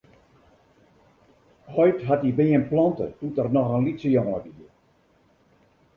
Heit hat dy beam plante doe't er noch in lytse jonge wie.